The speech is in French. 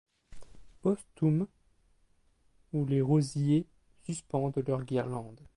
Poestum où les rosiers suspendent leur guirlande